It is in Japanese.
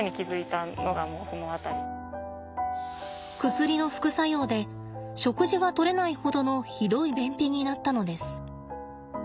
薬の副作用で食事がとれないほどのひどい便秘になったのです。